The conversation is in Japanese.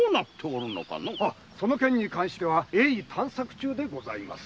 その件に関しては鋭意探索中でございます。